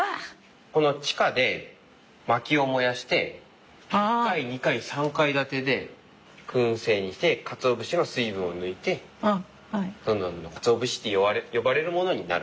この地下で薪を燃やして１階２階３階建てでくん製にしてかつお節の水分を抜いてどんどんかつお節と呼ばれるものになる。